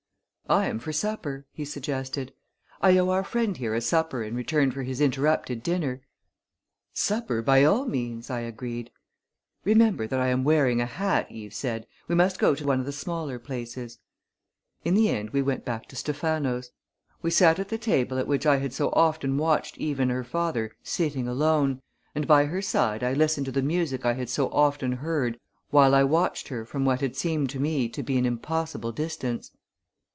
"I am for supper," he suggested. "I owe our friend here a supper in return for his interrupted dinner." "Supper, by all means!" I agreed. "Remember that I am wearing a hat," Eve said. "We must go to one of the smaller places." In the end we went back to Stephano's. We sat at the table at which I had so often watched Eve and her father sitting alone, and by her side I listened to the music I had so often heard while I had watched her from what had seemed to me to be an impossible distance.